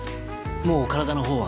もう体のほうは？